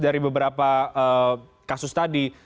dari beberapa kasus tadi